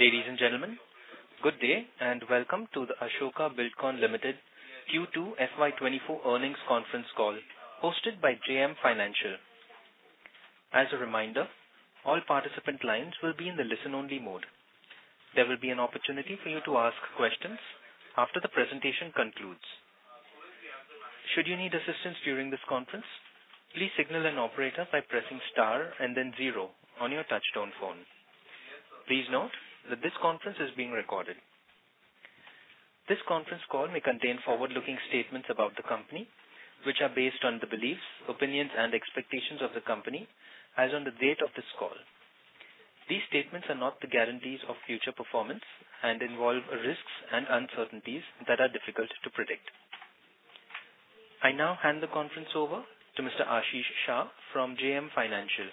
Ladies and gentlemen, good day, and welcome to the Ashoka Buildcon Limited Q2 FY 2024 Earnings Conference Call hosted by JM Financial. As a reminder, all participant lines will be in the listen only mode. There will be an opportunity for you to ask questions after the presentation concludes. Should you need assistance during this conference, please signal an operator by pressing star and then zero on your touchtone phone. Please note that this conference is being recorded. This conference call may contain forward looking statements about the company, which are based on the beliefs, opinions, and expectations of the company as on the date of this call. These statements are not the guarantees of future performance and involve risks and uncertainties that are difficult to predict. I now hand the conference over to Mr. Ashish Shah from JM Financial.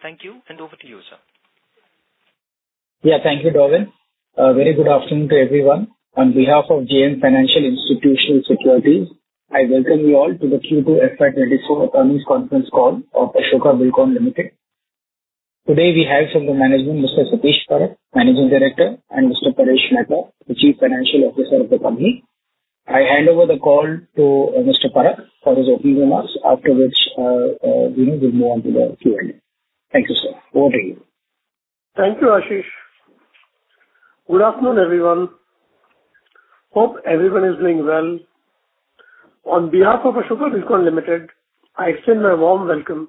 Thank you, and over to you, sir. Yeah, thank you, Dolan. Very good afternoon to everyone. On behalf of JM Financial Institutional Securities, I welcome you all to the Q2 FY24 Earnings Conference Call of Ashoka Buildcon Limited. Today, we have from the management, Mr. Satish Parakh, Managing Director, and Mr. Paresh Mehta, the Chief Financial Officer of the company. I hand over the call to Mr. Parakh for his opening remarks, after which we will move on to the Q&A. Thank you, sir. Over to you. Thank you, Ashish. Good afternoon, everyone. Hope everyone is doing well. On behalf of Ashoka Buildcon Limited, I extend my warm welcome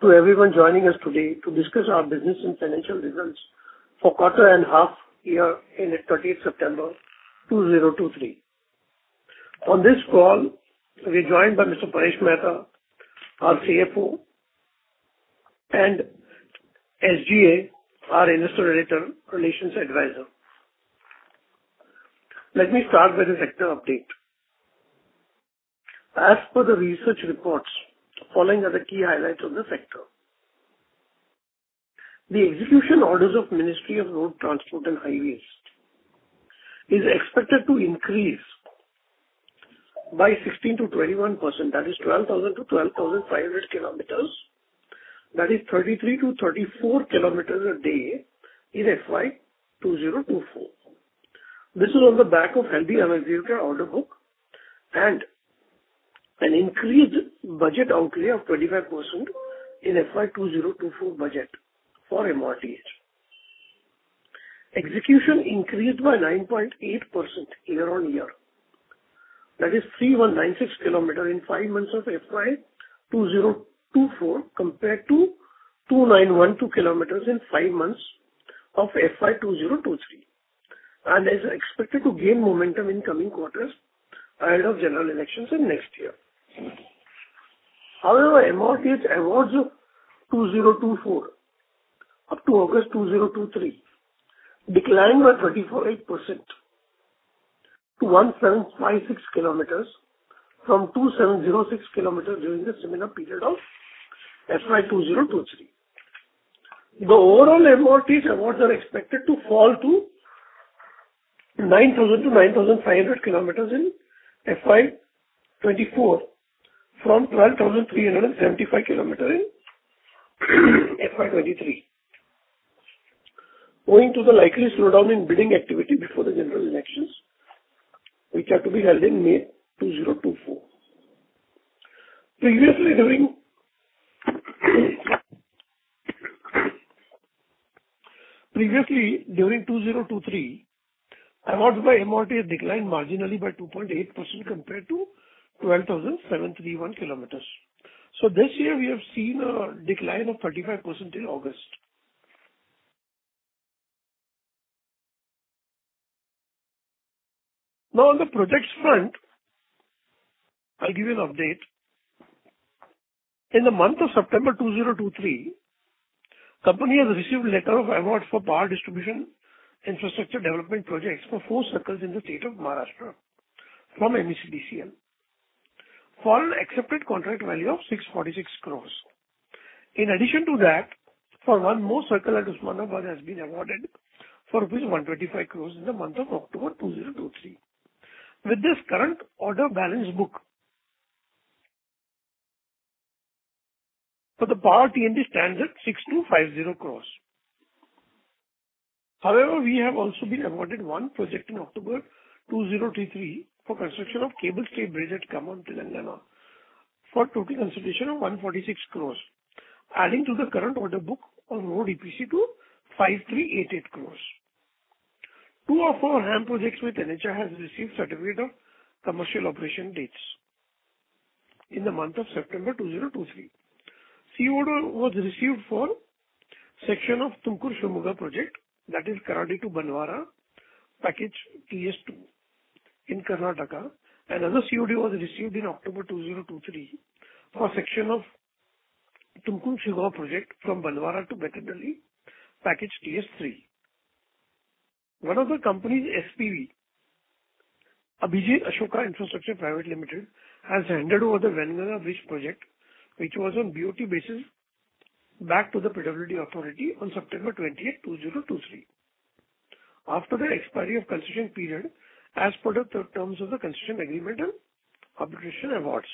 to everyone joining us today to discuss our business and financial results for quarter and half year ended 30th September 2023. On this call, we're joined by Mr. Paresh Mehta, our CFO, and SGA, our Investor Relations Advisor. Let me start with the sector update. As per the research reports, following are the key highlights of the sector. The execution orders of Ministry of Road Transport and Highways is expected to increase by 16%-21%, that is, 12,000-12,500 km. That is 33-34 km a day in FY 2024. This is on the back of healthy unexecuted order book and an increased budget outlay of 25% in FY 2024 budget for MoRTH. Execution increased by 9.8% year-on-year. That is 3,196 km in five months of FY 2024, compared to 2,912 km in five months of FY 2023, and is expected to gain momentum in coming quarters ahead of general elections in next year. However, MoRTH awards of 2024 up to August 2023 declined by 34.8% to 1,756 km from 2,706 km during the similar period of FY 2023. The overall MoRTH awards are expected to fall to 9,000-9,500 km in FY 2024, from 12,375 km in FY 2023. Owing to the likely slowdown in bidding activity before the general elections, which are to be held in May 2024. Previously, during 2023, awards by MoRTH declined marginally by 2.8% compared to 12,731 kilometers. So this year we have seen a decline of 35% in August. Now, on the projects front, I'll give you an update. In the month of September 2023, company has received a letter of award for Power Distribution Infrastructure development projects for 4 circles in the state of Maharashtra from MSEDCL, for an accepted contract value of 646 crores. In addition to that, for one more circle at Osmanabad has been awarded for 125 crore in the month of October 2023. With this current order book, for the Power T&D stands at 6,250 crore. However, we have also been awarded one project in October 2023, for construction of cable-stayed bridge at Khammam, Telangana, for total consideration of 146 crore, adding to the current order book of road EPC to 5,388 crore. Two of our HAM projects with NHAI has received Certificate of Commercial Operation Dates in the month of September 2023. CoD was received for section of Tumkur-Shivamogga project, that is Karad to Banavara, package TS2 in Karnataka. Another CoD was received in October 2023, for section of Tumkur-Shivamogga project from Banavara to Bettadahalli, package TS3. One of the company's SPV, Abhijeet Ashoka Infrastructure Private Limited, has handed over the Wainganga Bridge project, which was on BOT basis, back to the PWD authority on September 20, 2023. After the expiry of construction period, as per the terms of the construction agreement and arbitration awards.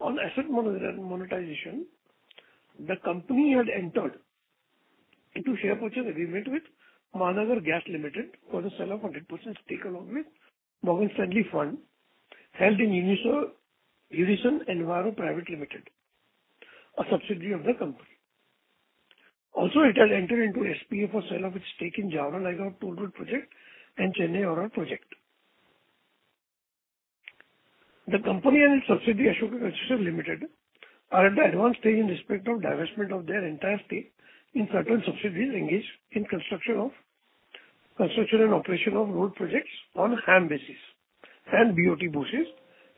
On asset monetization, the company had entered into share purchase agreement with Mahanagar Gas Limited for the sale of 100% stake along with Morgan Stanley Fund, held in Unison Enviro Private Limited, a subsidiary of the company. Also, it has entered into SPA for sale of its stake in Jaora-Nayagaon Toll Road Project and Chennai ORR Project. The company and its subsidiary, Ashoka Concessions Limited, are at the advanced stage in respect of divestment of their entire stake in certain subsidiaries engaged in construction of, construction and operation of road projects on HAM basis and BOT basis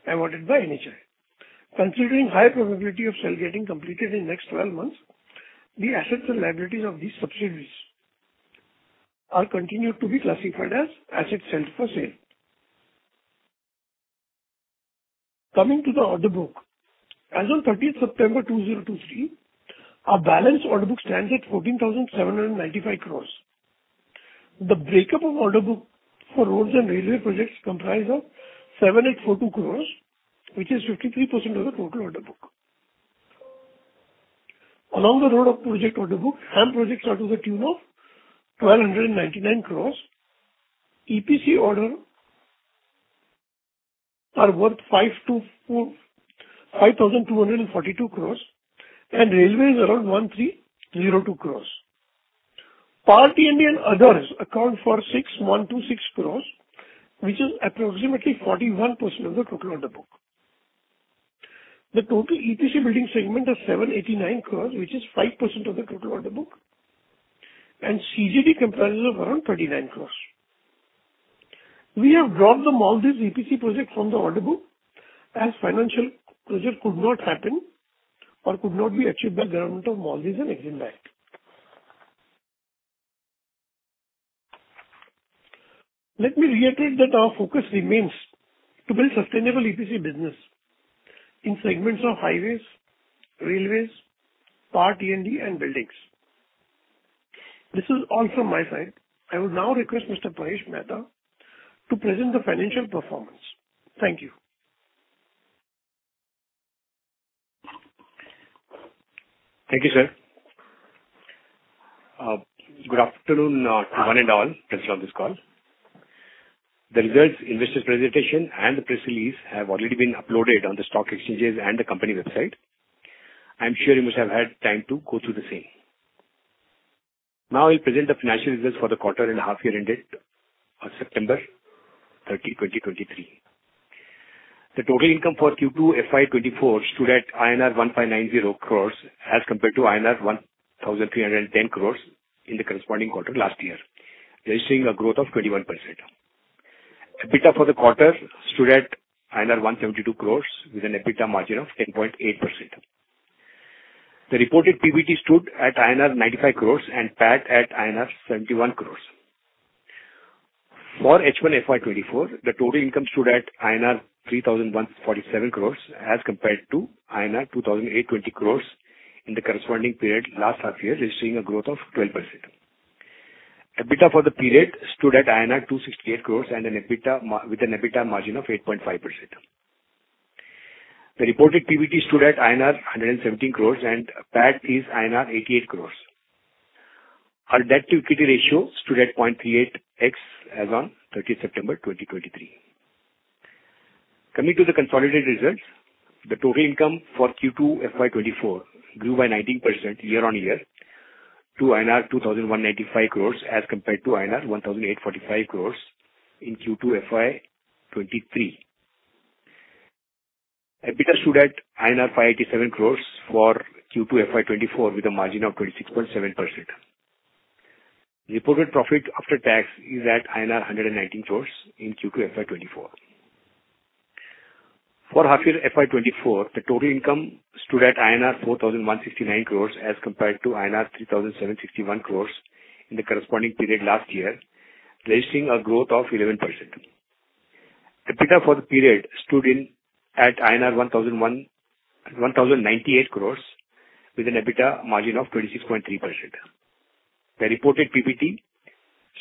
awarded by NHAI. Considering high probability of sale getting completed in next 12 months, the assets and liabilities of these subsidiaries are continued to be classified as held for sale. Coming to the order book, as on September 13, 2023, our order book stands at 14,795 crores. The breakup of order book for roads and railway projects comprise of 7,842 crores, which is 53% of the total order book. Along the road of project order book, HAM projects are to the tune of 1,299 crores. EPC orders are worth 5,242 crores, and railway is around 1,302 crores. Power T&D and others account for 6,126 crores, which is approximately 41% of the total order book. The total EPC building segment is 789 crores, which is 5% of the total order book, and CGD comprises of around 29 crores. We have dropped the Maldives EPC project from the order book, as financial closure could not happen or could not be achieved by the government of Maldives and Exim Bank. Let me reiterate that our focus remains to build sustainable EPC business in segments of highways, railways, Power T&D, and buildings. This is all from my side. I will now request Mr. Paresh Mehta to present the financial performance. Thank you. Thank you, sir. Good afternoon to one and all participants on this call. The results, investor presentation, and the press release have already been uploaded on the stock exchanges and the company website. I'm sure you must have had time to go through the same. Now, I'll present the financial results for the quarter and half year ended on September 13, 2023. The total income for Q2 FY 2024 stood at INR 1,590 crores, as compared to INR 1,310 crores in the corresponding quarter last year, registering a growth of 21%. EBITDA for the quarter stood at 172 crores, with an EBITDA margin of 10.8%. The reported PBT stood at INR 95 crores and PAT at INR 71 crores. For H1 FY 2024, the total income stood at INR 3,147 crores, as compared to INR 2,820 crores in the corresponding period last half year, registering a growth of 12%. EBITDA for the period stood at INR 268 crores with an EBITDA margin of 8.5%. The reported PBT stood at INR 117 crores, and PAT is INR 88 crores. Our debt-to-equity ratio stood at 0.38x, as on 13th September 2023. Coming to the consolidated results, the total income for Q2 FY 2024 grew by 19% year-on-year to INR 2,195 crores, as compared to INR 1,845 crores in Q2 FY 2023. EBITDA stood at INR 587 crores for Q2 FY 2024, with a margin of 26.7%. The reported profit after tax is at INR 119 crores in Q2 FY 2024. For half year FY 2024, the total income stood at INR 4,169 crores, as compared to INR 3,761 crores in the corresponding period last year, registering a growth of 11%. EBITDA for the period stood at 1,098 crores, with an EBITDA margin of 26.3%. The reported PBT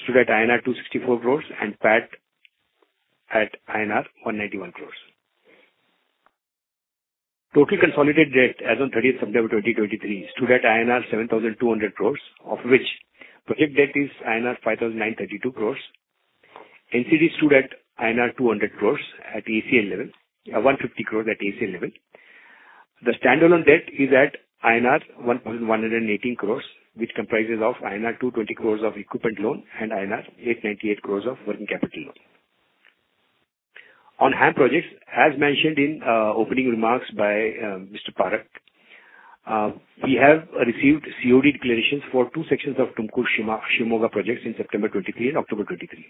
stood at INR 264 crores and PAT at INR 191 crores. Total consolidated debt as on 13th September 2023 stood at INR 7,200 crores, of which project debt is INR 5,932 crores. NCD stood at INR 200 crores at ACL level, 150 crores at ACL level. The standalone debt is at INR 1,118 crores, which comprises of INR 220 crores of equipment loan and INR 898 crores of working capital loan. On hand projects, as mentioned in opening remarks by Mr. Parakh, we have received COD declarations for two sections of Tumkur-Shivamogga projects in September 2023 and October 2023.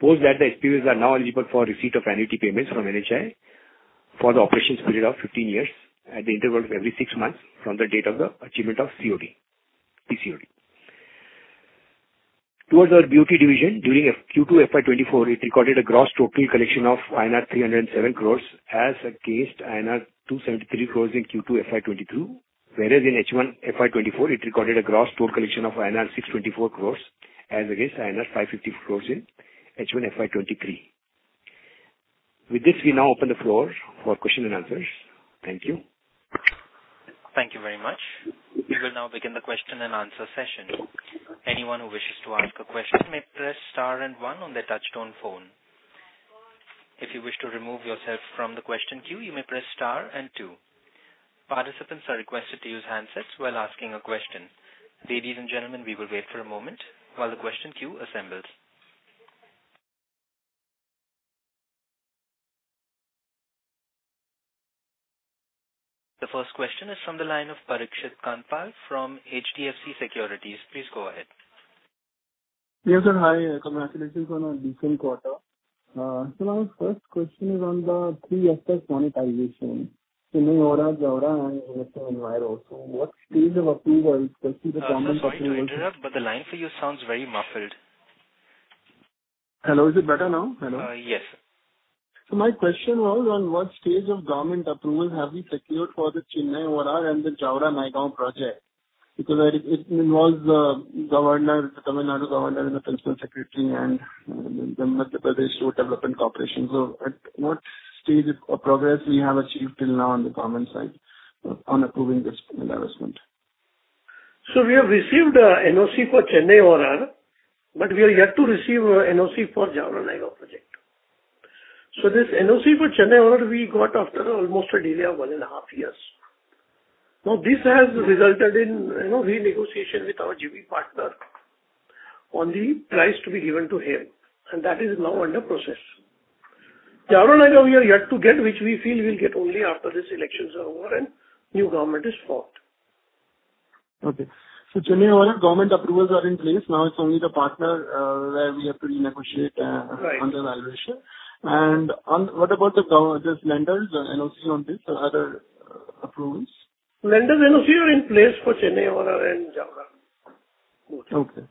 Post that, the SPAs are now eligible for receipt of annuity payments from NHAI for the operation period of 15 years at the interval of every six months from the date of the achievement of COD, DCOD. Towards our BOT division, during Q2 FY 2024, it recorded a gross total collection of INR 307 crores, as against INR 273 crores in Q2 FY 2022. Whereas in H1 FY 2024, it recorded a gross total collection of INR 624 crores as against INR 550 crores in H1 FY 2023. With this, we now open the floor for question and answers. Thank you. Thank you very much. We will now begin the question and answer session. Anyone who wishes to ask a question may press star and one on their touchtone phone. If you wish to remove yourself from the question queue, you may press star and two. Participants are requested to use handsets while asking a question. Ladies and gentlemen, we will wait for a moment while the question queue assembles. The first question is from the line of Parikshit Kandpal from HDFC Securities. Please go ahead. Yes, sir. Hi, congratulations on a decent quarter. So my first question is on the three assets monetization, Chennai ORR, Jaora, and also what stage of approval, especially the government- Sorry to interrupt, but the line for you sounds very muffled. Hello, is it better now? Hello. Uh, yes. So my question was, on what stage of government approval have we secured for the Chennai ORR and the Jaora-Nayagaon project? Because it, it involves, governor, the Tamil Nadu governor and the principal secretary and the Madhya Pradesh Road Development Corporation. So at what stage of progress we have achieved till now on the government side on approving this investment? We have received NOC for Chennai ORR, but we are yet to receive NOC for Jaora-Nayagaon project. So this NOC for Chennai ORR, we got after almost a delay of 1.5 years. Now, this has resulted in, you know, renegotiation with our JV partner on the price to be given to him, and that is now under process. Jaora-Nayagaon, we are yet to get, which we feel we'll get only after these elections are over and new government is formed. Okay. So Chennai ORR, government approvals are in place. Now it's only the partner, where we have to renegotiate, Right. on the valuation. And on... What about those lenders, NOC on this or other approvals? Lenders NOC are in place for Chennai ORR and Jaora. Okay.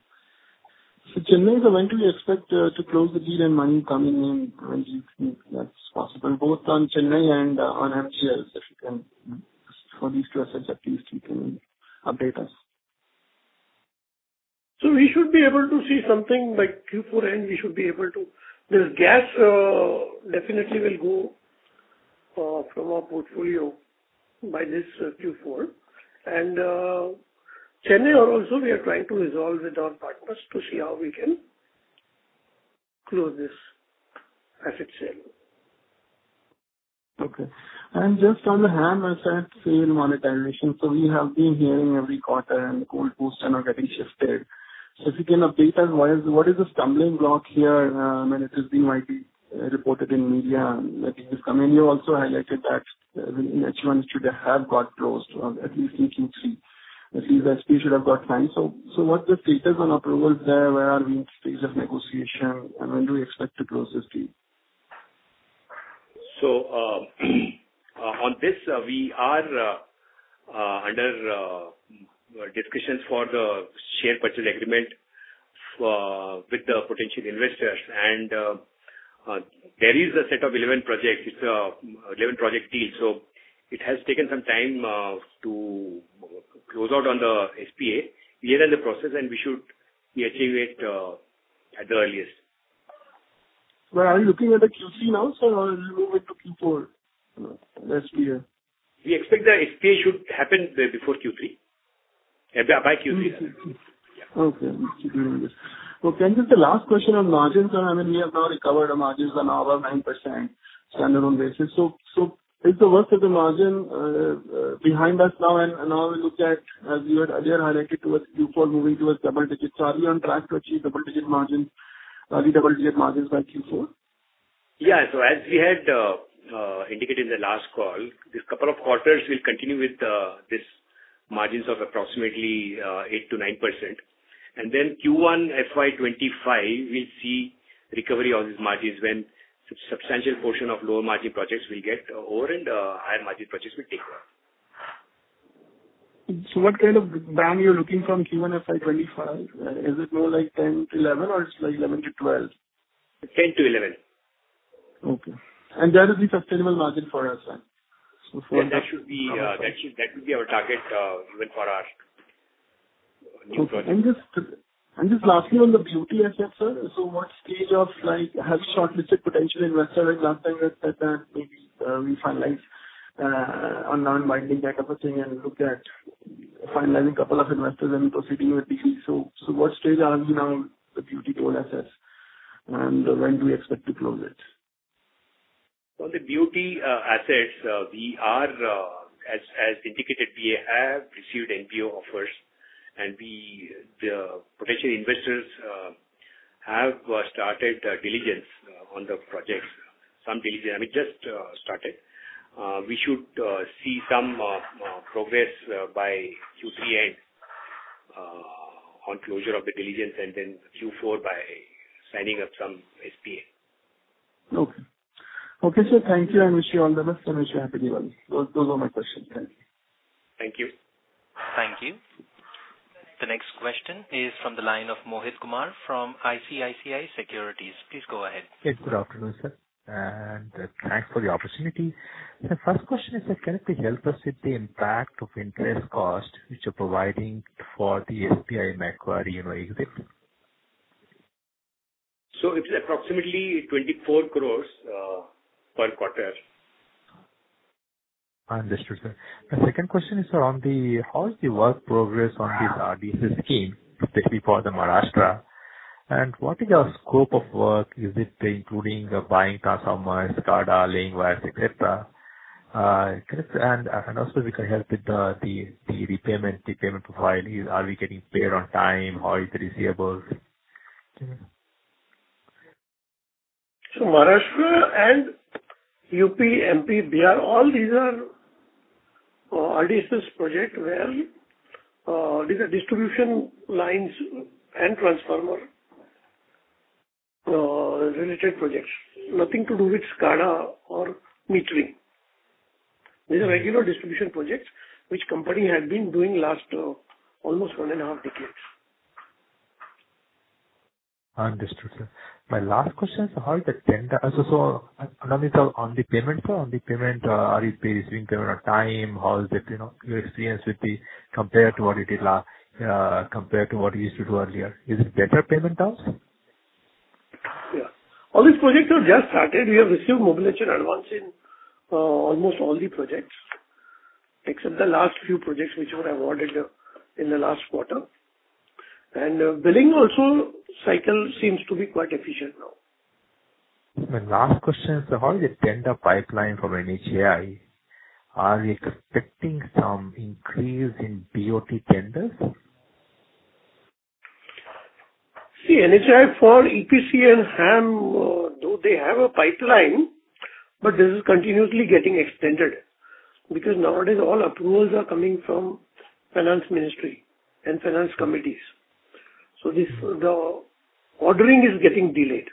So Chennai, when do you expect to close the deal and money coming in, when do you think that's possible, both on Chennai and on MGL, if you can, for these two assets, at least you can update us? So we should be able to see something by Q4, and we should be able to... This gas definitely will go from our portfolio by this Q4. And, Chennai also, we are trying to resolve with our partners to see how we can close this asset sale. Okay. And just on the HAM asset sale monetization. So we have been hearing every quarter and the goalposts are now getting shifted. So if you can update us, why is—what is the stumbling block here? And it has been widely reported in media, and it is coming. You also highlighted that H1 should have got closed, at least in Q3. These SP should have got signed. So what's the status on approval there? Where are we in stage of negotiation, and when do we expect to close this deal? So, on this, we are under discussions for the share purchase agreement for with the potential investors. There is a set of 11 projects. It's a 11 project deal, so it has taken some time to close out on the SPA. We are in the process, and we should be achieving it at the earliest. Well, are you looking at the Q3 now, sir, or it will move into Q4 next year? We expect the SPA should happen before Q3. By Q3. Mm-hmm. Yeah. Okay, we'll keep doing this. So can you... The last question on margins. I mean, we have now recovered our margins are now over 9% standalone basis. So is the worst of the margin behind us now, and now we look at, as you had earlier highlighted towards Q4, moving towards double digits. So are we on track to achieve double-digit margins by Q4? Yeah. So as we had indicated in the last call, this couple of quarters will continue with this margins of approximately 8%-9%. And then Q1 FY25, we'll see recovery of these margins when substantial portion of lower margin projects will get over and higher margin projects will take over. So what kind of band you're looking from Q1 FY25? Is it more like 10-11 or it's like 11-12? 10-11. Okay. That is the sustainable margin for us, right? That should be our target, even for our new project. Just lastly, on the BOT asset, sir. So what stage of like, have shortlisted potential investor, like last time you said that maybe, we finalize, on non-binding type of a thing and look at finalizing a couple of investors and proceeding with this. So what stage are we now on the BOT own assets, and when do we expect to close it? On the BOT assets, as indicated, we have received NBO offers, and the potential investors have started diligence on the projects. Some diligence, I mean, just started. We should see some progress by Q3 end on closure of the diligence and then Q4 by signing up some SPA. Okay. Okay, sir, thank you, and wish you all the best, and wish you happy New Year. Those, those are my questions. Thank you. Thank you. The next question is from the line of Mohit Kumar from ICICI Securities. Please go ahead. Good afternoon, sir, and thanks for the opportunity. The first question is, sir, can you please help us with the impact of interest cost which you're providing for the SBI Macquarie in FY25? ...So it's approximately 24 crore per quarter. Understood, sir. My second question is on the how is the work progress on this RDSS scheme, especially for the Maharashtra? And what is your scope of work? Is it including buying transformers, SCADA, laying wires, et cetera, et cetera. And, and also if you can help with the, the repayment, the payment profile. Are we getting paid on time? How is the receivables? So Maharashtra and UP, MP, BR, all these are RDSS projects where these are distribution lines and transformer related projects. Nothing to do with SCADA or metering. These are regular distribution projects, which company had been doing last almost one and a half decades. Understood, sir. My last question is, how is the tender... So another on the payment, sir. On the payment, are you receiving payment on time? How is it, you know, your experience with the compared to what it did last, compared to what you used to do earlier? Is it better payment terms? Yeah. All these projects are just started. We have received mobilization advance in almost all the projects, except the last few projects, which were awarded in the last quarter. And billing also, cycle seems to be quite efficient now. My last question is, how is the tender pipeline from NHAI? Are you expecting some increase in BOT tenders? See, NHAI for EPC and HAM, though they have a pipeline, but this is continuously getting extended, because nowadays all approvals are coming from Finance Ministry and finance committees. So this, the ordering is getting delayed.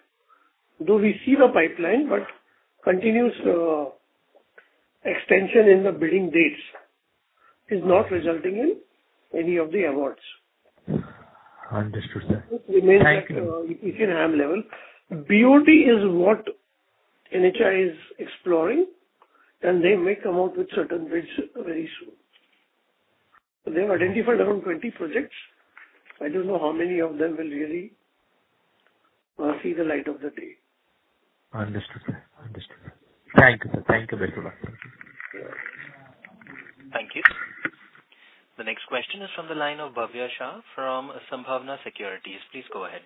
Though we see the pipeline, but continuous extension in the billing dates is not resulting in any of the awards. Understood, sir. Thank you. It remains at, EPC and HAM level. BOT is what NHAI is exploring, and they may come out with certain bids very soon. They've identified around 20 projects. I don't know how many of them will really see the light of the day. Understood, sir. Understood, sir. Thank you, sir. Thank you very much. Thank you. The next question is from the line of Bhavya Shah from Sambhavna Securities. Please go ahead.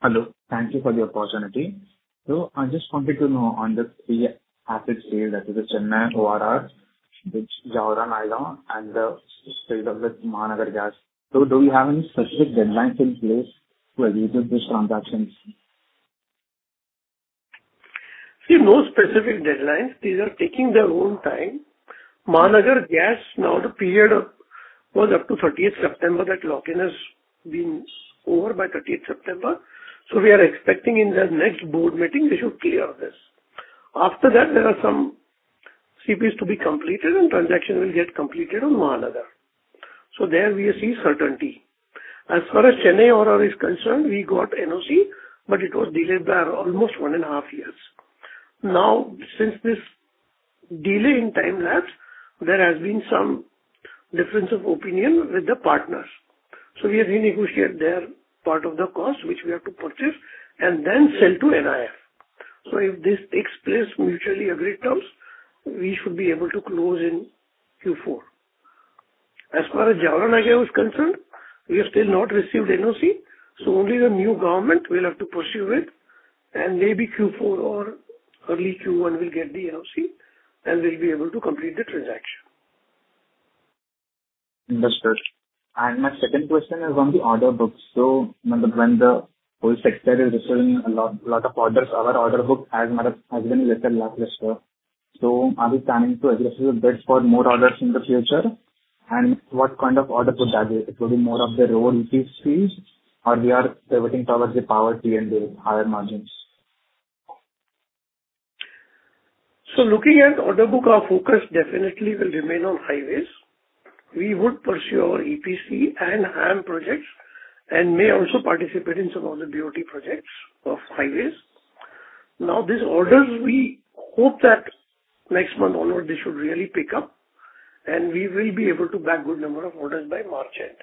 Hello. Thank you for the opportunity. So I just wanted to know on the three assets sale, that is the Chennai ORR, which Jaora-Nayagaon, and the sale of the Mahanagar Gas. So do you have any specific deadlines in place for closing these transactions? See, no specific deadlines. These are taking their own time. Mahanagar Gas, now the period of, was up to 30th September, that lock-in has been over by 30th September. So we are expecting in the next board meeting, they should clear this. After that, there are some CPs to be completed, and transaction will get completed on Mahanagar. So there we see certainty. As far as Chennai ORR is concerned, we got NOC, but it was delayed by almost one and a half years. Now, since this delay in time lapse, there has been some difference of opinion with the partners. So we have renegotiated their part of the cost, which we have to purchase, and then sell to NIIF. So if this takes place mutually agreed terms, we should be able to close in Q4. As far as Jaora-Nayagaon is concerned, we have still not received NOC, so only the new government will have to pursue it, and maybe Q4 or early Q1, we'll get the NOC, and we'll be able to complete the transaction. Understood. And my second question is on the order books. So when the whole sector is receiving a lot, lot of orders, our order book has been a little lackluster. So are we planning to aggressive bids for more orders in the future? And what kind of order could that be? It will be more of the road EPCs, or we are pivoting towards the power T&D higher margins. So looking at order book, our focus definitely will remain on highways. We would pursue our EPC and HAM projects and may also participate in some of the BOT projects of highways. Now, these orders, we hope that next month onward, they should really pick up, and we will be able to bag good number of orders by March end.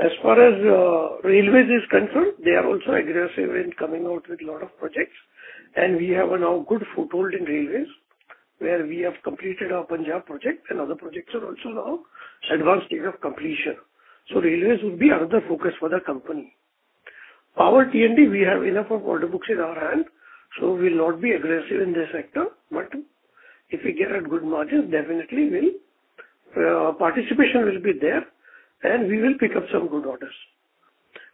As far as, railways is concerned, they are also aggressive in coming out with a lot of projects, and we have a now good foothold in railways, where we have completed our Punjab project, and other projects are also now advanced stage of completion. So railways would be another focus for the company. Power T&D, we have enough of order books in our hand, so we'll not be aggressive in this sector, but if we get at good margins, definitely we'll participation will be there, and we will pick up some good orders.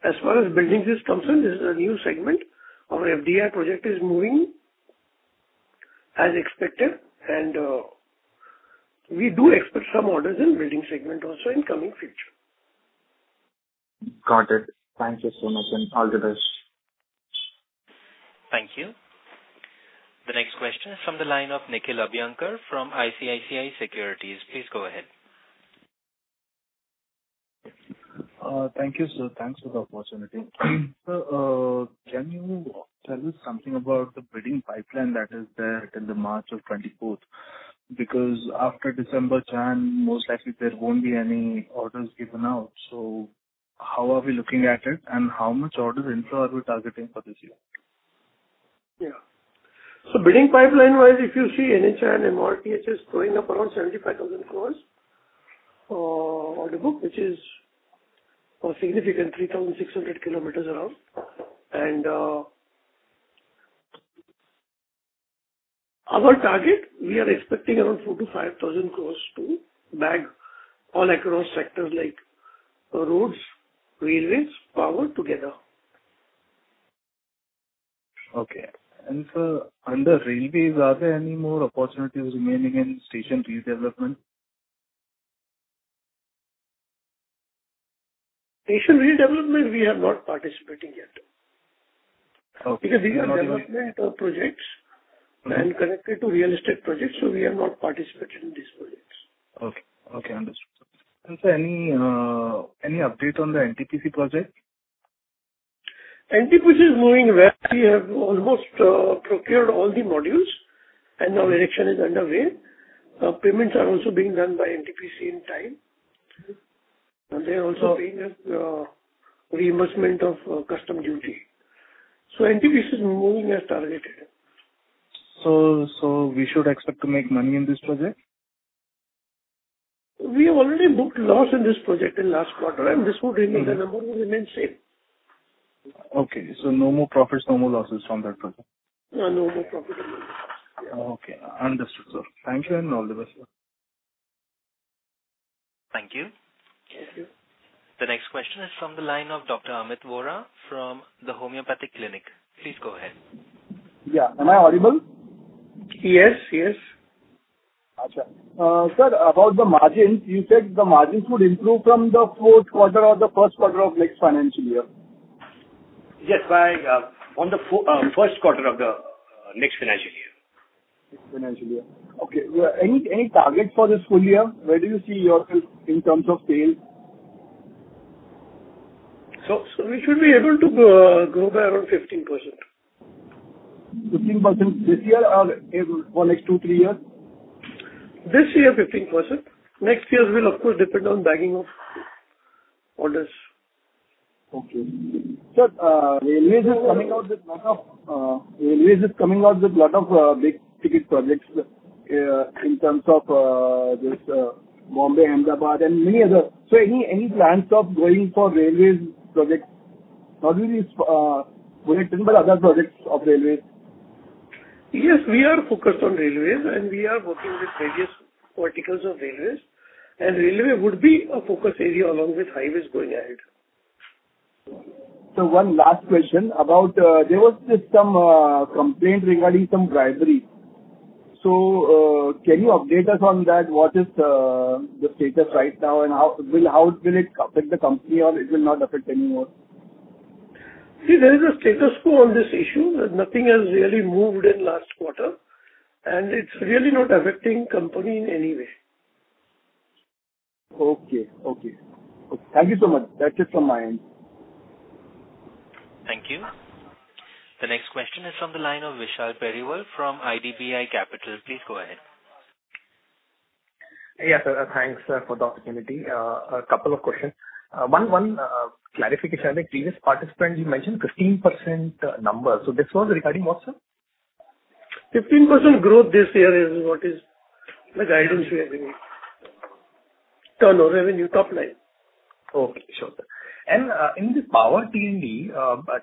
As far as buildings is concerned, this is a new segment. Our SBI project is moving as expected, and we do expect some orders in building segment also in coming future. Got it. Thank you so much, and all the best. Thank you. The next question is from the line of Nikhil Abhyankar from ICICI Securities. Please go ahead. Thank you, sir. Thanks for the opportunity. Can you tell us something about the bidding pipeline that is there till the March of 2024? Because after December, January, most likely there won't be any orders given out. So how are we looking at it, and how much orders in total are we targeting for this year? Yeah. So bidding pipeline-wise, if you see NHAI and MoRTH is going up around 75,000 crore, on the book, which is a significant 3,600 kilometers around. And, our target, we are expecting around 4,000 crore-5,000 crore to bag all across sectors like roads, railways, power together. Okay. Sir, under railways, are there any more opportunities remaining in station redevelopment? Station redevelopment, we are not participating yet. Okay. Because these are development of projects and connected to real estate projects, so we are not participating in these projects. Okay, okay, understood. Sir, any, any update on the NTPC project? NTPC is moving well. We have almost procured all the modules, and now erection is underway. Payments are also being done by NTPC in time, and they are also paying us reimbursement of custom duty. So NTPC is moving as targeted. So, we should expect to make money in this project? We have already booked loss in this project in last quarter, and this would remain the number. It will remain same. Okay, so no more profits, no more losses on that project? No, no more profits. Okay, understood, sir. Thank you, and all the best. Thank you. Thank you. The next question is from the line of Dr. Amit Vora from The Homeopathic Clinic. Please go ahead. Yeah. Am I audible? Yes, yes. Acha. Sir, about the margins, you said the margins would improve from the fourth quarter or the first quarter of next financial year? Yes, by the first quarter of the next financial year. Next financial year. Okay, any target for this full year? Where do you see yourself in terms of sales? We should be able to grow by around 15%. 15% this year or able for next 2, 3 years? This year, 15%. Next years will, of course, depend on bagging of orders. Okay. Sir, railways is coming out with a lot of big ticket projects, in terms of this, Bombay, Ahmedabad, and many other. So any plans of going for railways projects? Not only bullet train, but other projects of railways. Yes, we are focused on railways, and we are working with various verticals of railways, and railway would be a focus area along with highways going ahead. So one last question about there was just some complaint regarding some bribery. So, can you update us on that? What is the status right now, and how will it affect the company or it will not affect anymore? See, there is a status quo on this issue. Nothing has really moved in last quarter, and it's really not affecting company in any way. Okay, okay. Thank you so much. That's it from my end. Thank you. The next question is from the line of Vishal Periwal from IDBI Capital. Please go ahead. Yeah, sir. Thanks for the opportunity. A couple of questions. One clarification, the previous participant, you mentioned 15% number. So this was regarding what, sir? 15% growth this year is what is the guidance we have given. Turnover, revenue, top line. Okay, sure. And, in the Power T&D,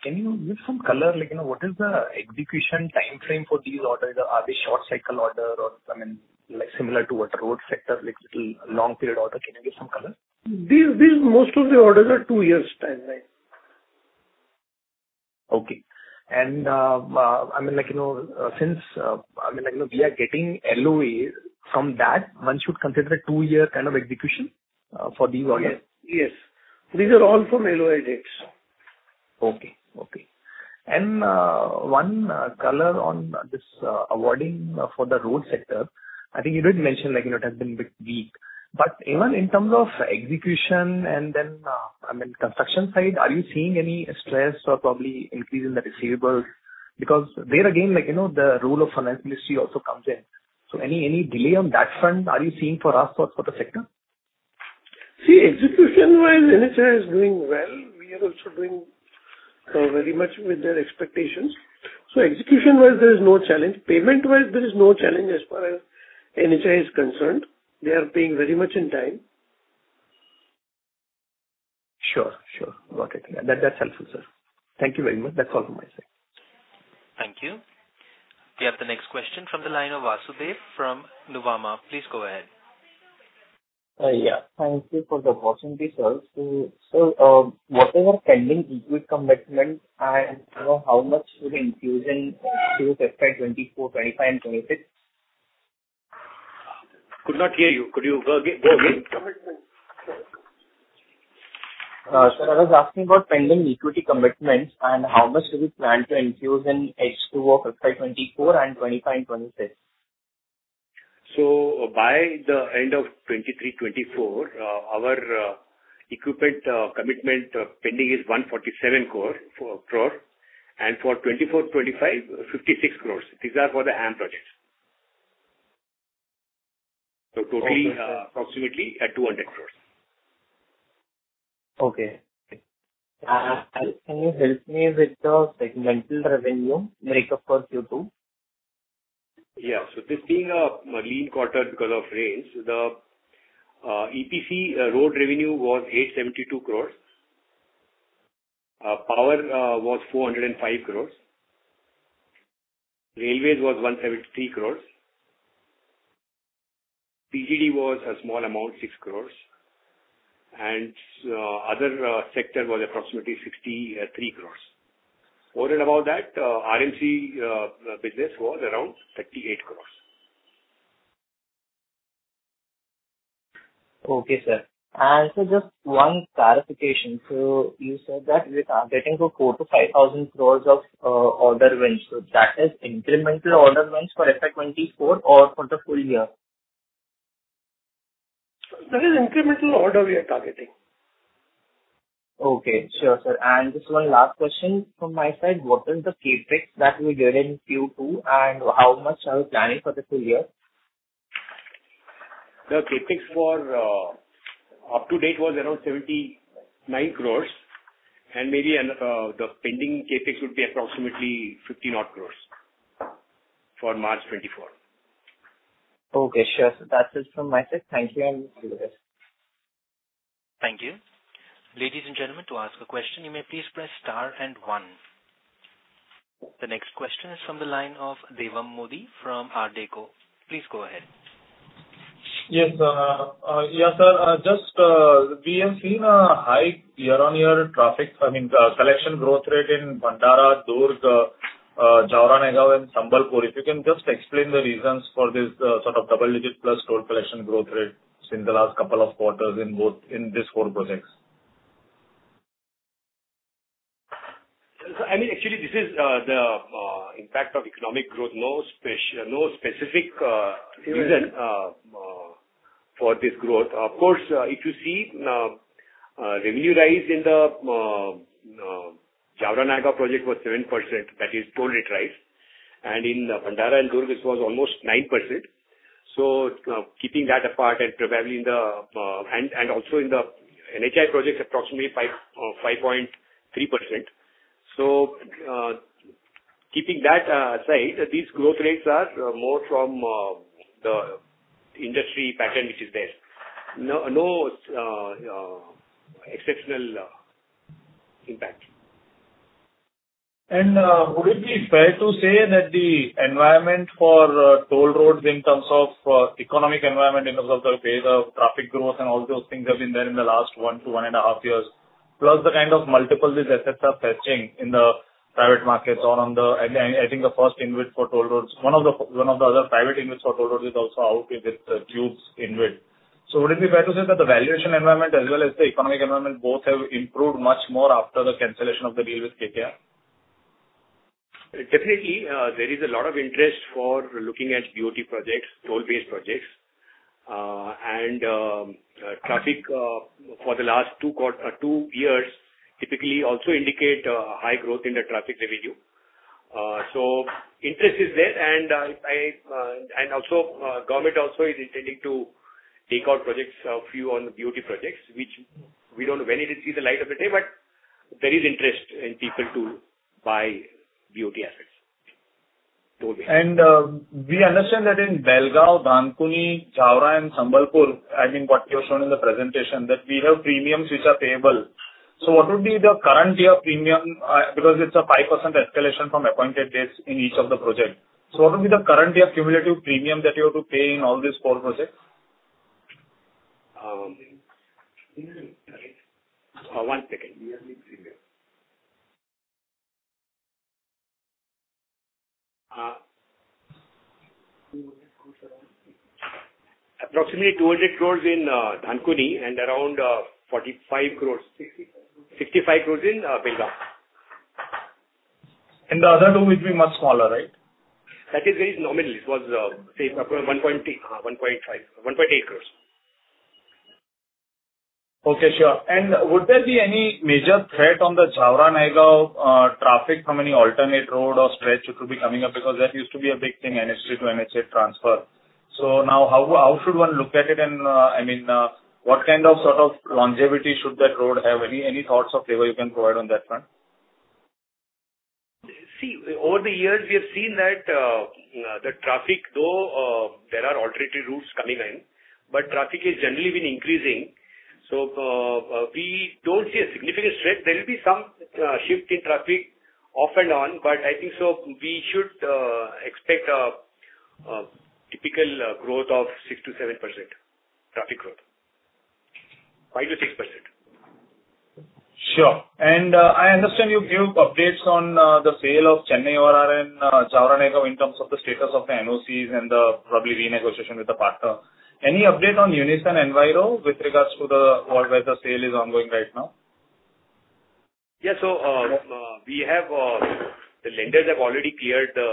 can you give some color, like, you know, what is the execution timeframe for these orders? Are they short cycle order or, I mean, like, similar to what road sector, like little long period order, can you give some color? These, most of the orders are two years timeline. Okay. And, I mean, like, you know, since, I mean, like, you know, we are getting LOAs from that, one should consider a two-year kind of execution for these orders? Yes, yes. These are all from LOA dates. Okay, okay. And, one, color on this, awarding, for the road sector. I think you did mention, like, you know, it has been a bit weak, but even in terms of execution and then, I mean, construction side, are you seeing any stress or probably increase in the receivables? Because there again, like, you know, the role of financially also comes in. So any, any delay on that front are you seeing for us, for, for the sector? See, execution-wise, NHAI is doing well. We are also doing very much with their expectations. So execution-wise, there is no challenge. Payment-wise, there is no challenge as far as NHAI is concerned. They are paying very much in time. Sure, sure. Got it. That, that helps me, sir. Thank you very much. That's all from my side. Thank you. We have the next question from the line of Vasudev from Nuvama. Please go ahead. Yeah. Thank you for the opportunity, sir. So, what are your pending equity commitments, and, you know, how much will infusion through FY 24, 25 and 26? Could not hear you. Could you go again, go again? Sir, I was asking about pending equity commitments and how much do we plan to infuse in H2 of FY 2024 and 2025, 2026? So by the end of 2023-24, our equipment commitment pending is 147 crore. for 24 crore, 25 crore, 56 crore. These are for the AM projects. So totally, approximately at 200 crore. Okay. Can you help me with the segmental revenue make up for Q2? Yeah. So this being a lean quarter because of rains, the EPC road revenue was 872 crore. Power was 405 crore. Railways was 173 crore. CGD was a small amount, 6 crore, and other sector was approximately 63 crore. More than about that, RMC business was around 38 crore. Okay, sir. So just one clarification. So you said that we are targeting to 4,000-5,000 crore of order wins. So that is incremental order wins for FY 2024 or for the full year? That is incremental order we are targeting. Okay. Sure, sir. Just one last question from my side: What is the CapEx that we did in Q2, and how much are we planning for the full year? The CapEx for up to date was around 79 crore, and maybe the pending CapEx would be approximately 50-odd crore for March 2024. Okay, sure. That's it from my side. Thank you, and see you later. Thank you. Ladies and gentlemen, to ask a question, you may please press star and one. The next question is from the line of Devam Modi from Ardeko. Please go ahead. Yes, yes, sir. Just, we have seen a high year-on-year traffic, I mean, collection growth rate in Bhandara, Durg, Jaora-Nayagaon, and Sambalpur. If you can just explain the reasons for this, sort of double-digit plus toll collection growth rate in the last couple of quarters in both, in these four projects. So, I mean, actually, this is the impact of economic growth. No specific reason for this growth. Of course, if you see, revenue rise in the Jaora-Nayagaon project was 7%, that is toll rate rise. And in the Bhandara and Durg, this was almost 9%. So, keeping that apart and probably in the and also in the NHAI project, approximately five point three percent. So, keeping that aside, these growth rates are more from the industry pattern, which is there. No exceptional impact. Would it be fair to say that the environment for toll roads in terms of economic environment, in terms of the pace of traffic growth and all those things have been there in the last 1-1.5 years, plus the kind of multiples these assets are fetching in the private markets or on the... I, I think the first inward for toll roads. One of the, one of the other private inwards for toll roads is also out with its tubes inward. So would it be fair to say that the valuation environment as well as the economic environment, both have improved much more after the cancellation of the deal with KKR? Definitely, there is a lot of interest for looking at BOT projects, toll booth projects. And, traffic for the last two years typically also indicate high growth in the traffic revenue. So interest is there, and also, government also is intending to take out projects, a few on the BOT projects, which we don't know when it will see the light of the day, but there is interest in people to buy BOT assets, toll booth. We understand that in Belgaum, Dankuni, Jaora, and Sambalpur, I mean, what you have shown in the presentation, that we have premiums which are payable. So what would be the current year premium? Because it's a 5% escalation from appointed days in each of the projects. So what would be the current year cumulative premium that you have to pay in all these four projects? One second. Approximately 200 crore in Dankuni, and around 45 crore- 65 crore in Belgaum. The other two would be much smaller, right? That is very nominal. It was, say, approximately 1.3, 1.5, 1.8 crores. Okay, sure. And would there be any major threat on the Jaora-Nayagaon traffic from any alternate road or stretch which could be coming up? Because that used to be a big thing, NH3-NH8 transfer. So now how, how should one look at it and, I mean, what kind of sort of longevity should that road have? Any, any thoughts or flavor you can provide on that front? See, over the years, we have seen that, the traffic, though, there are alternative routes coming in, but traffic has generally been increasing. So, we don't see a significant threat. There will be some shift in traffic off and on, but I think so we should expect a typical growth of 6%-7%, traffic growth. 5%-6%. Sure. And, I understand you gave updates on the sale of Chennai ORR and Jaora-Nayagaon in terms of the status of the NOCs and the probably renegotiation with the partner. Any update on Unison Enviro with regards to the... where the sale is ongoing right now? Yeah. So, we have, the lenders have already cleared the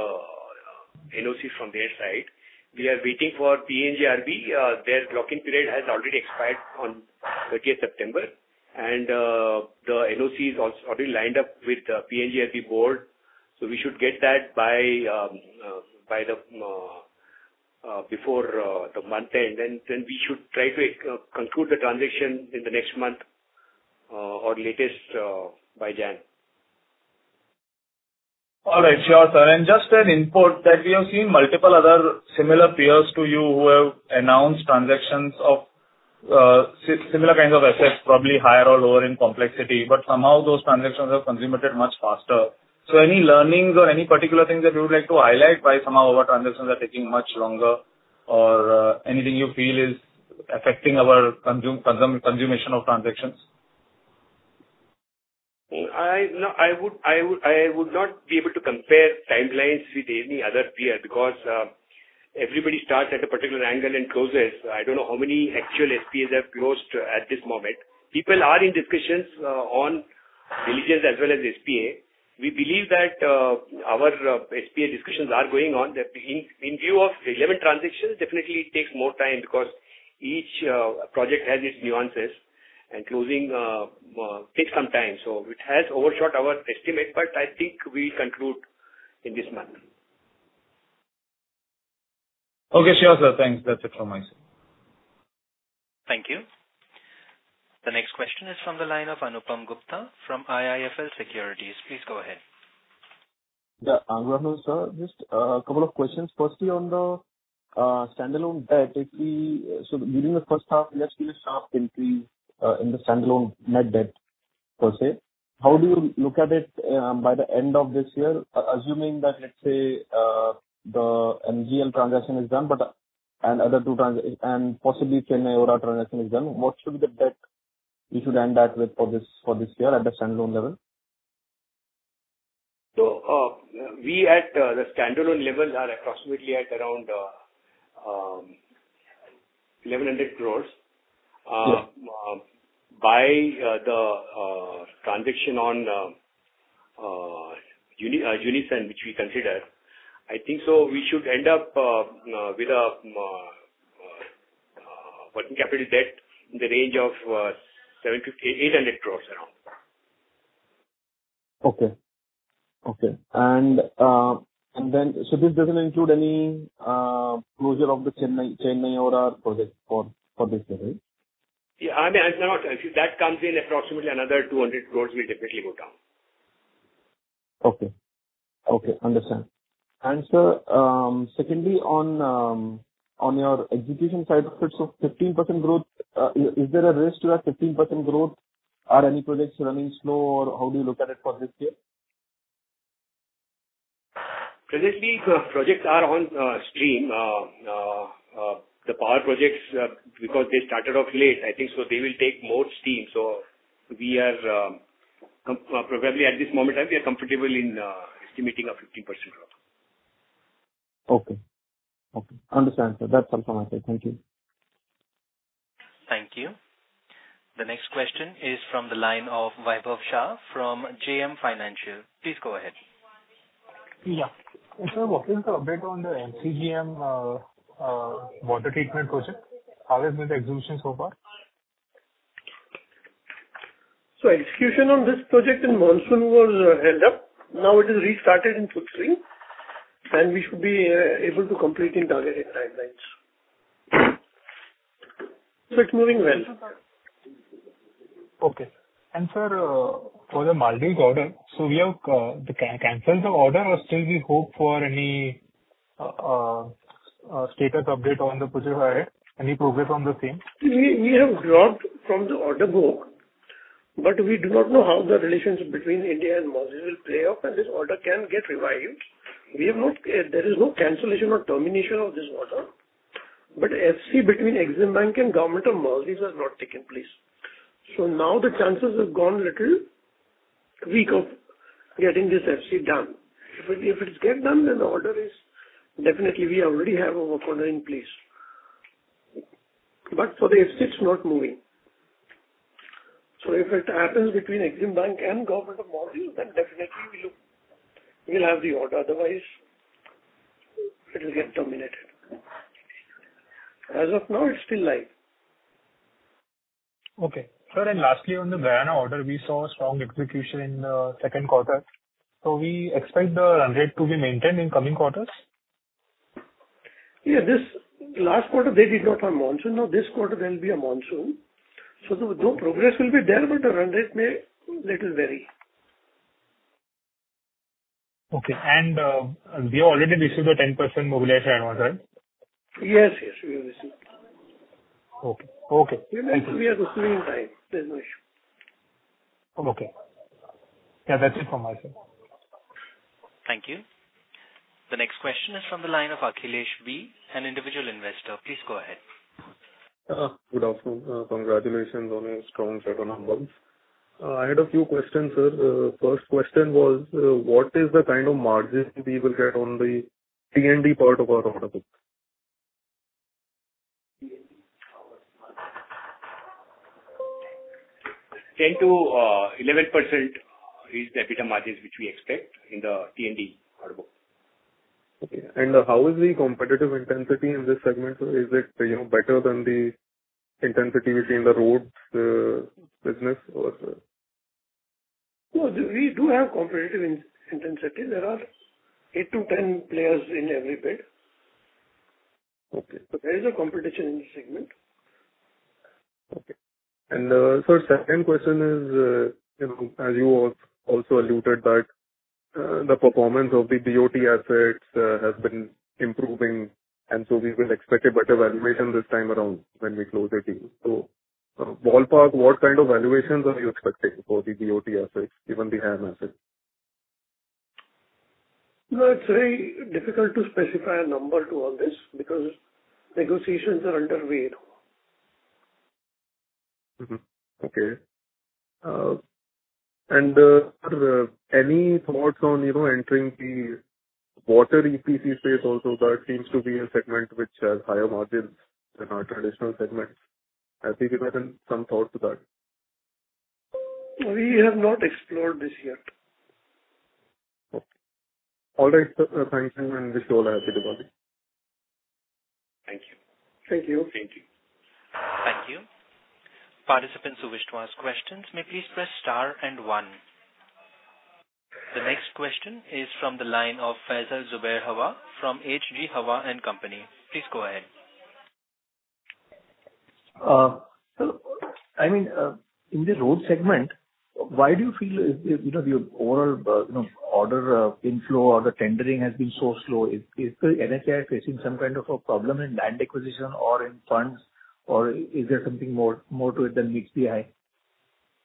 NOC from their side. We are waiting for PNGRB. Their blocking period has already expired on thirtieth September, and, the NOC is also already lined up with the PNGRB board. So we should get that by by the before the month end, then, then we should try to conclude the transaction in the next month, or latest, by Jan. All right, sure, sir. And just an input that we have seen multiple other similar peers to you who have announced transactions of similar kinds of assets, probably higher or lower in complexity, but somehow those transactions are consummated much faster. So any learnings or any particular things that you would like to highlight, why somehow our transactions are taking much longer? Or, anything you feel is affecting our consummation of transactions? I would not be able to compare timelines with any other peer, because everybody starts at a particular angle and closes. I don't know how many actual SPAs have closed at this moment. People are in discussions on LOIs as well as SPA. We believe that our SPA discussions are going on. In view of the 11 transactions, definitely it takes more time, because each project has its nuances, and closing takes some time. So it has overshot our estimate, but I think we conclude in this month. Okay, sure, sir. Thanks. That's it from my side. Thank you. The next question is from the line of Anupam Gupta from IIFL Securities. Please go ahead. Yeah, Anupam, sir. Just a couple of questions. Firstly, on the standalone debt, if we... So during the first half, we actually saw a sharp increase in the standalone net debt, per se. How do you look at it by the end of this year, assuming that, let's say, the MGL transaction is done, but and other two trans... And possibly Chennai ORR transaction is done, what should be the debt we should end up with for this year at the standalone level? We at the standalone levels are approximately at around 1,100 crores. Yeah. By the transaction on Unison, which we consider, I think so we should end up with a working capital debt in the range of 700 crore-800 crore around. Okay. Okay. And, and then, so this doesn't include any closure of the Chennai ORR project for this year, right? Yeah, I mean, if that comes in approximately another 200 crore, we definitely go down. Okay. Okay, understand. And, sir, secondly, on your execution side of things, so 15% growth, is there a risk to that 15% growth? Are any projects running slow, or how do you look at it for this year? Presently, projects are on stream. The power projects, because they started off late, I think, so they will take more steam. So we are probably at this moment. I'll be comfortable in estimating a 15% growth. Okay. Okay, understand, sir. That's all from my side. Thank you. Thank you. The next question is from the line of Vaibhav Shah from JM Financial. Please go ahead. Yeah. And sir, what is the update on the MCGM water treatment project? How is the execution so far? Execution on this project in monsoon was held up. Now it is restarted in post-monsoon, and we should be able to complete in targeted timelines. So it's moving well. Okay. And sir, for the Maldives order, so we have canceled the order, or still we hope for any status update on the project, right? Any progress on the same? We, we have dropped from the order book, but we do not know how the relations between India and Maldives will play out, and this order can get revived. We have not... There is no cancellation or termination of this order, but FC between Exim Bank and Government of Maldives has not taken place. So now the chances have gone a little weak of getting this FC done. But if it's get done, then the order is definitely we already have a work order in place. But for the FC, it's not moving. So if it happens between Exim Bank and Government of Maldives, then definitely we'll, we'll have the order. Otherwise, it will get terminated. As of now, it's still live. Okay. Sir, and lastly, on the Guyana order, we saw a strong execution in second quarter, so we expect the run rate to be maintained in coming quarters? Yeah, this last quarter, they did not have monsoon. Now, this quarter there will be a monsoon, so the progress will be there, but the run rate may little vary. Okay. And, we already received the 10% mobilization advance, right? Yes, yes, we have received. Okay, okay. We are proceeding right. There's no issue. Okay. Yeah, that's it from my side. Thank you. The next question is from the line of Akhilesh B, an individual investor. Please go ahead. Good afternoon. Congratulations on your strong set of numbers. I had a few questions, sir. First question was, what is the kind of margins we will get on the P&D part of our order book?... 10%-11% is the EBITDA margins, which we expect in the P&D portfolio. Okay. How is the competitive intensity in this segment? Is it, you know, better than the intensity within the roads business, or? We do have competition intensity. There are 8-10 players in every bid. Okay. There is a competition in this segment. Okay. And, sir, second question is, you know, as you also alluded that, the performance of the BOT assets, has been improving, and so we will expect a better valuation this time around when we close the deal. So, ballpark, what kind of valuations are you expecting for the BOT assets, even the HAM assets? No, it's very difficult to specify a number to all this, because negotiations are underway now. Mm-hmm. Okay. Any thoughts on, you know, entering the water EPC space also? That seems to be a segment which has higher margins than our traditional segments. Has management some thought to that? We have not explored this yet. Okay. All right, sir. Thank you, and this is all I had to ask. Thank you. Thank you. Thank you. Thank you. Participants who wish to ask questions may please press star and one. The next question is from the line of Faisal Zubair Hawa from H. G. Hawa and Company. Please go ahead. So, I mean, in the road segment, why do you feel, you know, your overall, you know, order inflow or the tendering has been so slow? Is the NHAI facing some kind of a problem in land acquisition or in funds, or is there something more to it than meets the eye?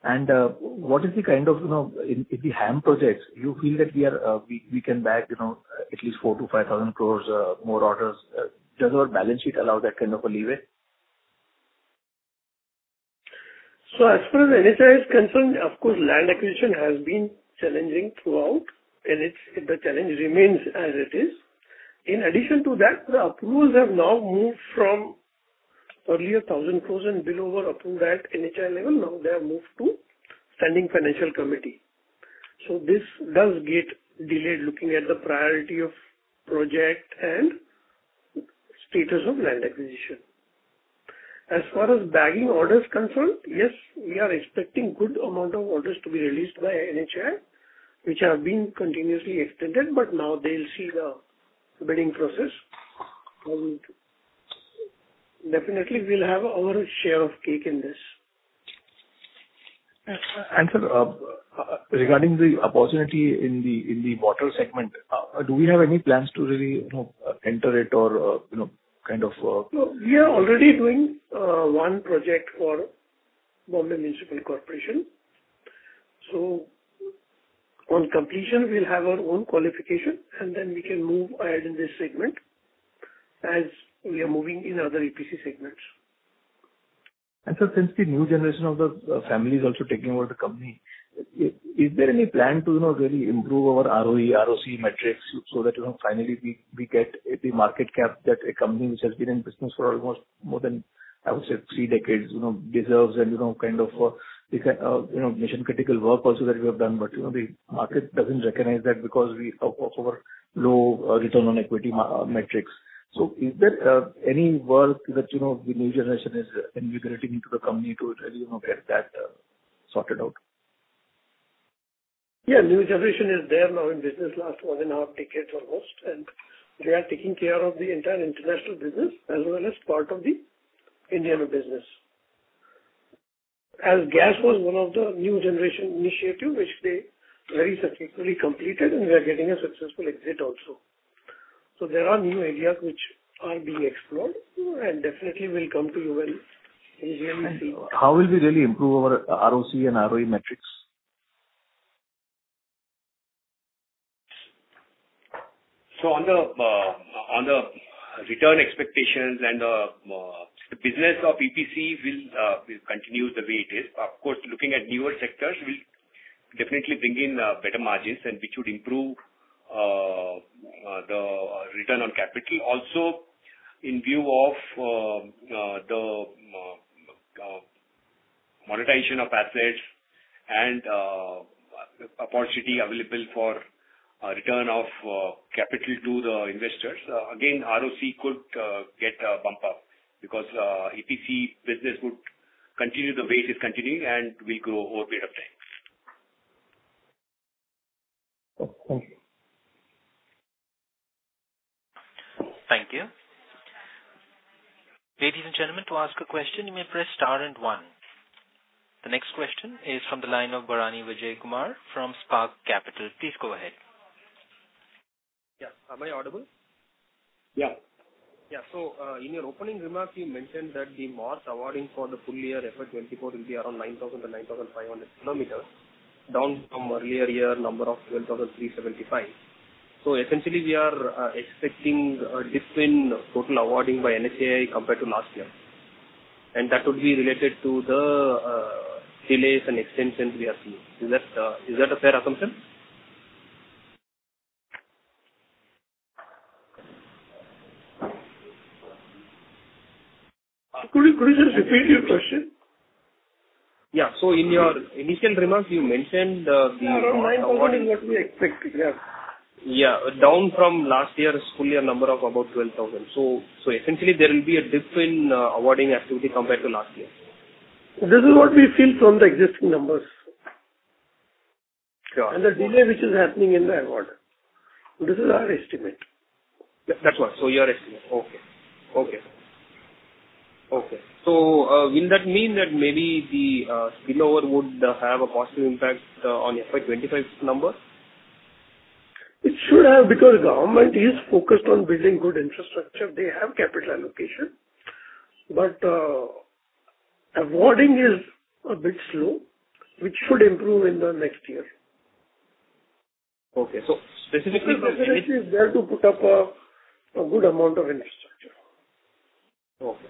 And, what is the kind of, you know, in the HAM projects, do you feel that we are, we can bag, you know, at least 4,000-5,000 crore more orders? Does our balance sheet allow that kind of a leeway? So as far as NHAI is concerned, of course, land acquisition has been challenging throughout, and it's the challenge remains as it is. In addition to that, the approvals have now moved from earlier 1,000 crore and below were approved at NHAI level. Now they have moved to standing financial committee. So this does get delayed, looking at the priority of project and status of land acquisition. As far as bagging orders concerned, yes, we are expecting good amount of orders to be released by NHAI, which have been continuously extended, but now they'll see the bidding process coming. Definitely, we'll have our share of cake in this. Sir, regarding the opportunity in the water segment, do we have any plans to really, you know, enter it or, you know, kind of? We are already doing one project for Bombay Municipal Corporation. On completion, we'll have our own qualification, and then we can move ahead in this segment as we are moving in other EPC segments. So since the new generation of the family is also taking over the company, is there any plan to, you know, really improve our ROE, ROC metrics so that, you know, finally, we get the market cap that a company which has been in business for almost more than, I would say, three decades, you know, deserves and, you know, kind of, you know, mission-critical work also that we have done. But, you know, the market doesn't recognize that because of our low return on equity metrics. So is there any work that, you know, the new generation is invigorating into the company to really, you know, get that sorted out? Yeah, new generation is there now in business last one and half decades almost, and they are taking care of the entire international business as well as part of the Indian business. As gas was one of the new generation initiative, which they very successfully completed, and we are getting a successful exit also. So there are new ideas which are being explored, and definitely will come to you well in here and see. How will we really improve our ROC and ROE metrics? So on the return expectations and the business of EPC will continue the way it is. Of course, looking at newer sectors, we'll definitely bring in better margins and which would improve the monetization of assets and opportunity available for return of capital to the investors. Again, ROC could get a bump up because EPC business would continue the way it is continuing, and we'll grow over a period of time. Okay. Thank you. Thank you. Ladies and gentlemen, to ask a question, you may press star and one. The next question is from the line of Bharani Vijayakumar from Spark Capital. Please go ahead. Yeah. Am I audible? Yeah. Yeah. So, in your opening remarks, you mentioned that the March awarding for the full year FY 2024 will be around 9,000-9,500 kilometers, down from earlier year number of 12,375. So essentially, we are expecting a decline total awarding by NHAI compared to last year, and that would be related to the delays and extensions we are seeing. Is that a fair assumption? ... Could you, could you just repeat your question? Yeah. So in your initial remarks, you mentioned, the- Yeah, around 9,000 is what we expect. Yeah. Yeah, down from last year's full year number of about 12,000. So, essentially there will be a dip in awarding activity compared to last year. This is what we feel from the existing numbers. Sure. The delay which is happening in the award. This is our estimate. Yeah, that one. So your estimate. Okay. Okay. Okay. So, will that mean that maybe the spillover would have a positive impact on FY 25's numbers? It should have, because government is focused on building good infrastructure. They have capital allocation, but awarding is a bit slow, which should improve in the next year. Okay. So specifically from- Is there to put up a good amount of infrastructure. Okay.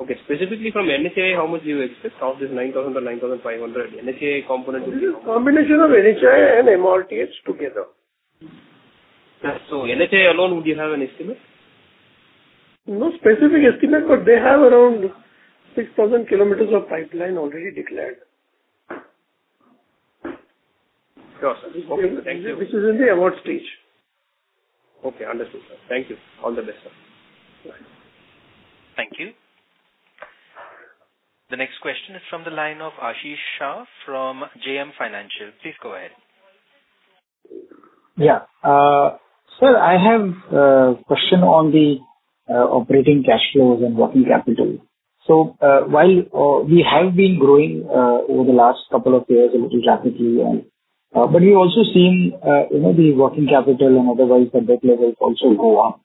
Okay. Specifically from NHAI, how much do you expect of this 9,000 or 9,500 NHAI component? This is a combination of NHAI and MoRTH together. So NHAI alone, would you have an estimate? No specific estimate, but they have around 6,000 kilometers of pipeline already declared. Sure, sir. Thank you. This is in the award stage. Okay, understood, sir. Thank you. All the best, sir. Thank you. The next question is from the line of Ashish Shah from JM Financial. Please go ahead. Yeah. Sir, I have a question on the operating cash flows and working capital. So, while we have been growing over the last couple of years a little dramatically, and but we've also seen, you know, the working capital and otherwise, the debt levels also go up.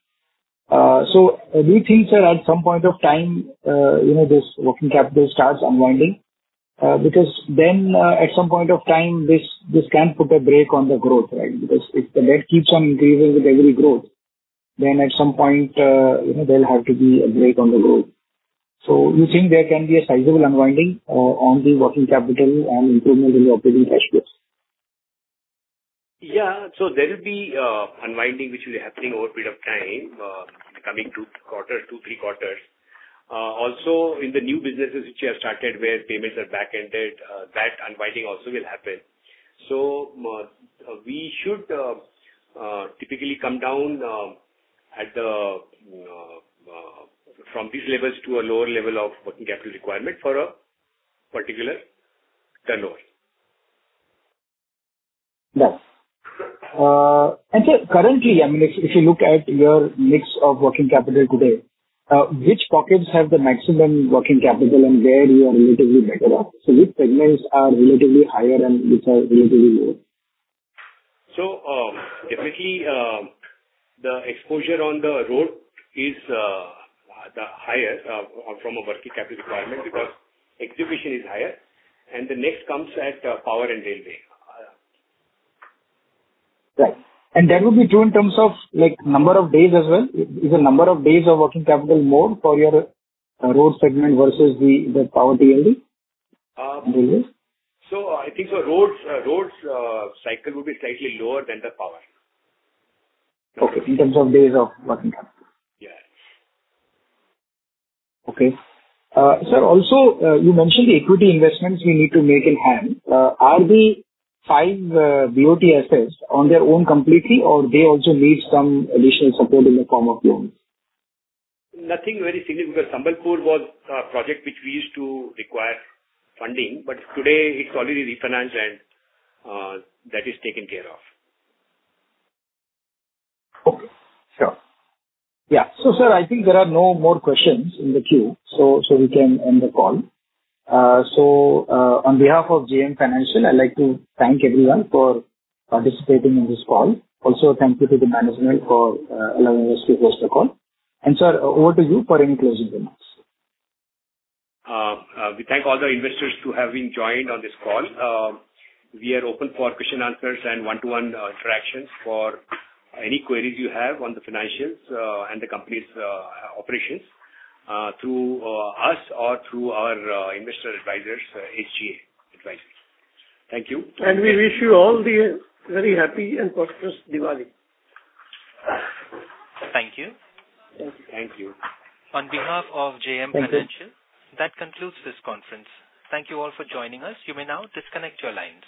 So do you think, sir, at some point of time, you know, this working capital starts unwinding? Because then, at some point of time, this, this can put a brake on the growth, right? Because if the debt keeps on increasing with every growth, then at some point, you know, there'll have to be a break on the road. So you think there can be a sizable unwinding on the working capital and improvement in the operating cash flows? Yeah. So there will be unwinding, which will be happening over a period of time, coming two quarters, two, three quarters. Also, in the new businesses which you have started, where payments are back-ended, that unwinding also will happen. So, we should typically come down from these levels to a lower level of working capital requirement for a particular turnover. Yes. Currently, I mean, if you look at your mix of working capital today, which pockets have the maximum working capital and where you are relatively better off? Which segments are relatively higher and which are relatively lower? Definitely, the exposure on the road is the highest from a working capital requirement because execution is higher, and the next comes at power and railway. Right. And that would be true in terms of, like, number of days as well? Is the number of days of working capital more for your road segment versus the power T&D? It is. So I think the roads cycle will be slightly lower than the power. Okay. In terms of days of working capital. Yeah. Okay. Sir, also, you mentioned the equity investments we need to make in HAM. Are the five BOT assets on their own completely, or they also need some additional support in the form of loans? Nothing very significant. Sambalpur was a project which we used to require funding, but today it's already refinanced and, that is taken care of. Okay. Sure. Yeah. So, sir, I think there are no more questions in the queue, so we can end the call. So, on behalf of JM Financial, I'd like to thank everyone for participating in this call. Also, thank you to the management for allowing us to host the call. And, sir, over to you for any closing remarks. We thank all the investors who have joined on this call. We are open for questions, answers, and one-to-one interactions for any queries you have on the financials and the company's operations through us or through our investor advisors, SGA Advisors. Thank you. We wish you all a very happy and prosperous Diwali. Thank you. Thank you. Thank you. On behalf of JM Financial- Thank you. That concludes this conference. Thank you all for joining us. You may now disconnect your lines.